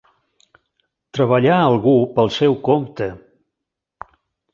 Treballar algú pel seu compte.